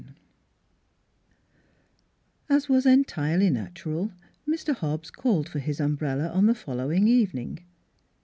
XXV A~ was entirely natural, Mr. Hobbs called for his umbrella on the following evening.